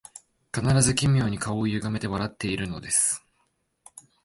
必ず奇妙に顔をゆがめて笑っているのです